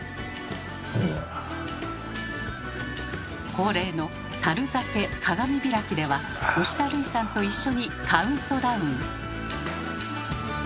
恒例の樽酒鏡開きでは吉田類さんと一緒にカウントダウン！